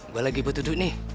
gue lagi butuh duit nih